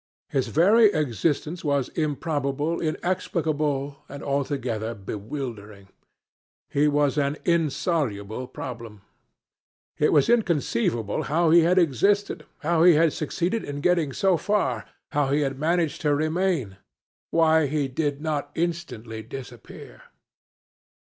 His very existence was improbable, inexplicable, and altogether bewildering. He was an insoluble problem. It was inconceivable how he had existed, how he had succeeded in getting so far, how he had managed to remain why he did not instantly disappear.